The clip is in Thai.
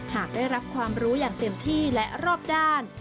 หากได้รับความรู้อย่างเต็มที่และรอบด้าน